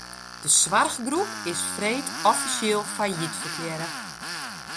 De soarchgroep is freed offisjeel fallyt ferklearre.